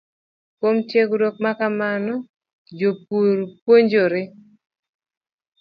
Kuom tiegruok ma kamano, jopur puonjore